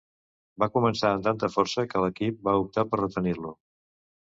Va començar amb tanta força que l'equip va optar per retenir-lo.